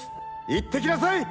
行ってきなさい！！